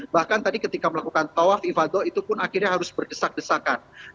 bahkan tadi ketika melakukan tawaf ifadah itu pun akhirnya harus berdesak desakan